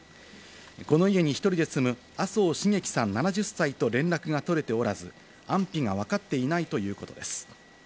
この家に１人で住む麻生繁喜さん７０歳と連絡が取れておらず、安否がわかっていないということです。